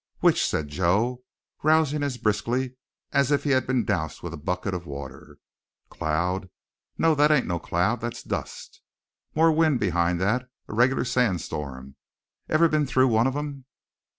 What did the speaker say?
"Which?" said Joe, rousing as briskly as if he had been doused with a bucket of water. "Cloud? No, that ain't no cloud. That's dust. More wind behind that, a regular sand storm. Ever been through one of 'em?"